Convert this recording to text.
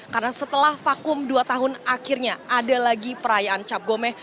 karena setelah vakum dua tahun akhirnya ada lagi perayaan cap gomeh